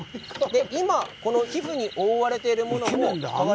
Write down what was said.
今皮膚に覆われているもの。